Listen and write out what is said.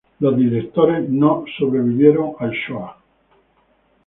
Los directores no sobrevivieron el Shoah.